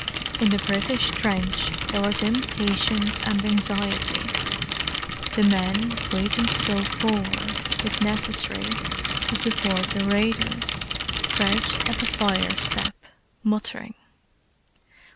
In the British trench there was impatience and anxiety. The men waiting to go forward, if necessary, to support the raiders, crouched at the fire step, muttering.